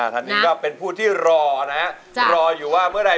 ๕ทันคือเป็นผู้ที่รอรออยู่ว่าเมื่อใด